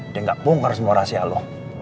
dia gak bongkar semua rahasia lo